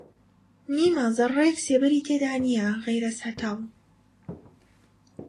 نیمە زەڕڕێک سێبەری تێدا نییە غەیرەز هەتاو